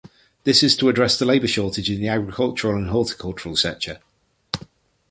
This is to address the labour shortage in the agricultural and horticultural sector.